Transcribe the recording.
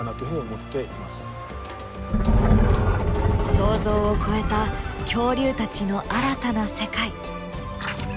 想像を超えた恐竜たちの新たな世界。